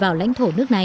vào lãnh thổ